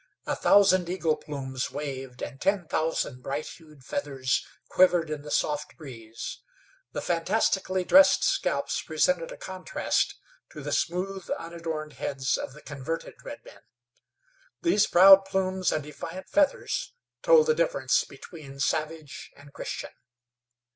A thousand eagle plumes waved, and ten thousand bright hued feathers quivered in the soft breeze. The fantastically dressed scalps presented a contrast to the smooth, unadorned heads of the converted redmen. These proud plumes and defiant feathers told the difference between savage and Christian.